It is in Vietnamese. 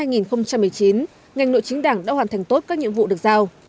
năm hai nghìn một mươi chín ngành nội chính đảng đã hoàn thành tốt các nhiệm vụ được giao